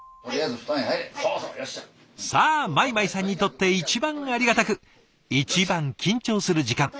さあ米舞さんにとって一番ありがたく一番緊張する時間。